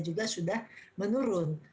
juga sudah menurun